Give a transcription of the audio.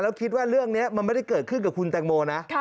แล้วคิดว่าเรื่องนี้มันไม่ได้เกิดขึ้นกับคุณแตงโมนะ